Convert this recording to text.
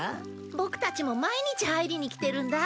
僕たちも毎日入りに来てるんだ。